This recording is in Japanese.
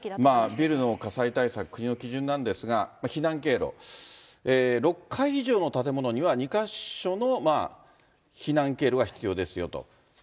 ビルの火災対策、国の基準なんですが、避難経路、６階以上の建物には、２か所の避難経路が必要ですよと。